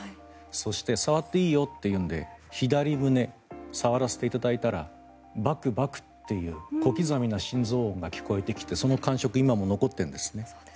そして、触っていいよと言うので左胸を触らせていただいたらバクバクという小刻みな心臓音が聞こえてきてその感触、今も残っていますね。